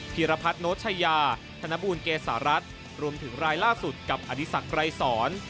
ีรพัฒน์โนชยาธนบูลเกษารัฐรวมถึงรายล่าสุดกับอดีศักดรายสอน